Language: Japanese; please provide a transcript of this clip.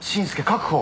確保。